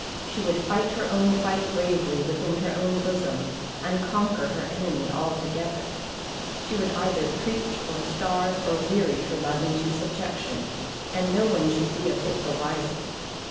She would fight her own fight bravely within her own bosom, and conquer her enemy altogether. She would either preach, or starve, or weary her love into subjection, and no one should be a bit the wiser.